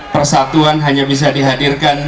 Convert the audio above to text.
persatuan hanya bisa dihadirkan